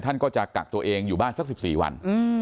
ท่านก็จะกักตัวเองอยู่บ้านสัก๑๔วัน